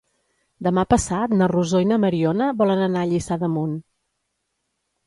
Demà passat na Rosó i na Mariona volen anar a Lliçà d'Amunt.